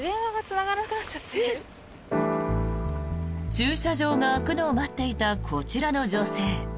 駐車場が空くのを待っていたこちらの女性。